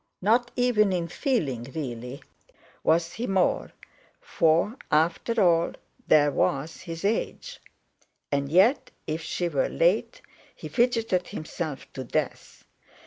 Not even in feeling, really, was he more—for, after all, there was his age. And yet, if she were late he fidgeted himself to death.